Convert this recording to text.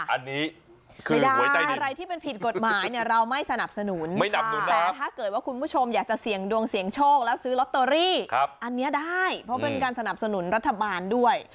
อันนี้ได้เพราะเป็นการสนับสนุนรัฐบาลด้วย